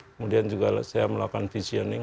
kemudian juga saya melakukan visioning